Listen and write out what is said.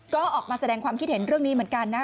ก็ออกมาแสดงความคิดเห็นเรื่องนี้เหมือนกันนะ